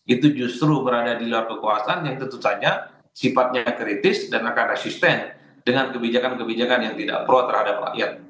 itu justru berada di luar kekuasaan yang tentu saja sifatnya kritis dan akan resisten dengan kebijakan kebijakan yang tidak pro terhadap rakyat